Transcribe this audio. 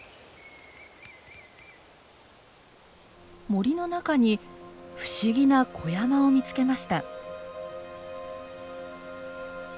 森の中に不思議な小山を見つけました。